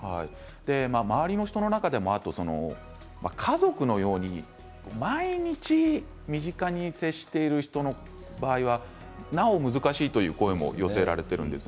周りの中でも家族のように毎日、身近に接している人の場合は、なお難しいという声も寄せられているんです。